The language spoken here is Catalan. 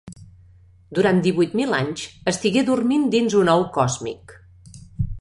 Durant divuit mil anys estigué dormint dins un ou còsmic.